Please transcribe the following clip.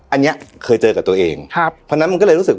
อันนี้เคยเจอกับตัวเองครับเพราะฉะนั้นมันก็เลยรู้สึก